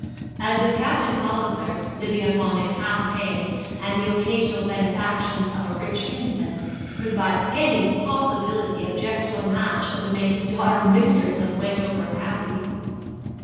As if Captain Palliser, living upon his half pay, and the occasional benefactions of a rich kinsman, could by any possibility object to a match that would make his daughter mistress of Wendover Abbey!